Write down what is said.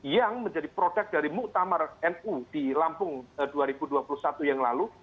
yang menjadi produk dari muktamar nu di lampung dua ribu dua puluh satu yang lalu